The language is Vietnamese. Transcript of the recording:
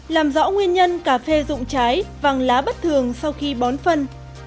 làm rõ nguyên nhân cà phê rụng trái vàng lá bất thường sau khi bón phân